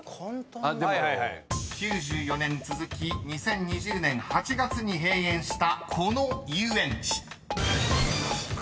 ［９４年続き２０２０年８月に閉園したこの遊園地］